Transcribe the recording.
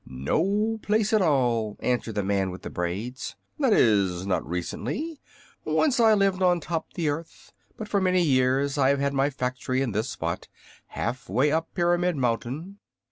"No place at all," answered the man with the braids; "that is, not recently. Once I lived on top the earth, but for many years I have had my factory in this spot half way up Pyramid Mountain."